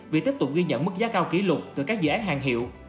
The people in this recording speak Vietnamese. vì tiếp tục ghi nhận mức giá cao kỷ lục từ các dự án hàng hiệu